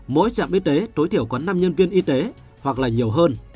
mỗi trạm y tế tối thiểu có năm nhân viên y tế hoặc là nhiều hơn